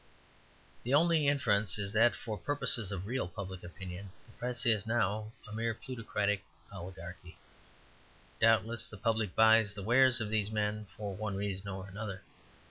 The only inference is that for purposes of real public opinion the press is now a mere plutocratic oligarchy. Doubtless the public buys the wares of these men, for one reason or another.